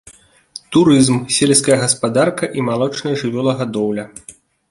Турызм, сельская гаспадарка і малочная жывёлагадоўля.